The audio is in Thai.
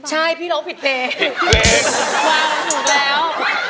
ใช่พี่เพ่งว้างผิดไปแล้ว